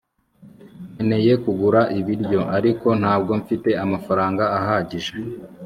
nkeneye kugura ibiryo, ariko ntabwo mfite amafaranga ahagije